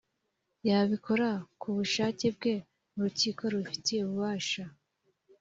yabikora ku bushake bwe mu rukiko rubifitiye ububasha